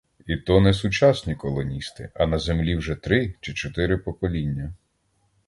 І то не сучасні колоністи, а на землі вже три чи чотири покоління.